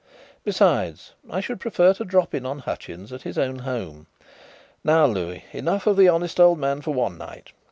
"Besides, I should prefer to drop in on Hutchins at his own home. Now, Louis, enough of the honest old man for one night.